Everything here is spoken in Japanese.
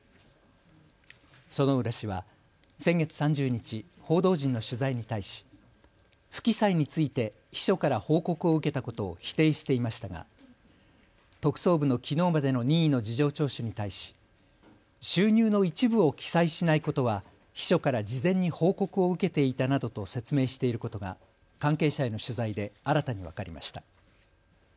薗浦氏は先月３０日、報道陣の取材に対し不記載について秘書から報告を受けたことを否定していましたが特捜部のきのうまでの任意の事情聴取に対し収入の一部を記載しないことは秘書から事前に報告を受けていたなどと説明していることが関係者への取材で新たに分かりました。